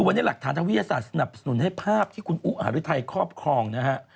วันนี้หากฐานวิทยาศาสตร์สนับนที่ภาพที่อุอาารุไทยครอบครอง